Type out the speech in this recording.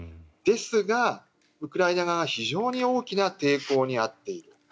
ですが、ウクライナ側の非常に大きな抵抗に遭っている。